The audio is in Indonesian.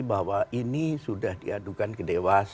bahwa ini sudah diadukan ke dewas